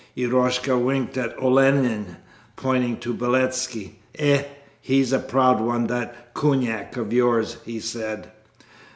Eroshka winked at Olenin, pointing to Beletski. 'Eh, he's a proud one that kunak of yours,' he said.